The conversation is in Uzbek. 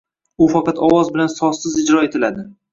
U faqat ovoz bilan sozsiz ijro etiladi.